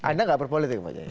anda nggak berpolitik pak jaya